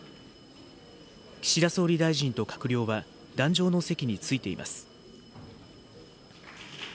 岸田総理大臣と閣僚は、壇上の席に着いています。